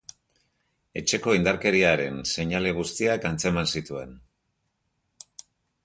Etxeko indarkeriaren seinale guztiak antzeman zituen.